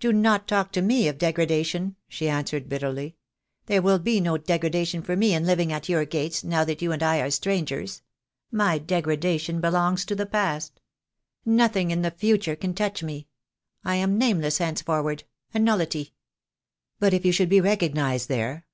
"Do not talk to me of degradation," she answered, bitterly. "There will be no degradation for me in living at your gates, now that you and I are strangers. My de gradation belongs to the past. Nothing in the future can touch me. I am nameless henceforward, a nullity." "But if you should be recognized there?"